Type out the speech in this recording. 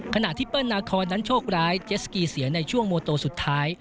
ขณะที่เปิ้ลนาคอนนั้นโชคร้ายเจสกีเสียในช่วงโมโตสุดท้าย